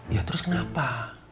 ya terus kenapa